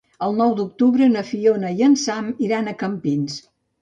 El nou d'octubre na Fiona i en Sam iran a Campins.